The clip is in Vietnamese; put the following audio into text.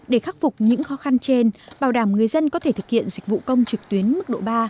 để khắc phục những khó khăn trên bảo đảm người dân có thể thực hiện dịch vụ công trực tuyến mức độ ba